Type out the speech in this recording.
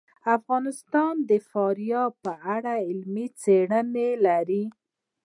افغانستان د فاریاب په اړه علمي څېړنې لري.